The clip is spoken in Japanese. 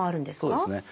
そうですね。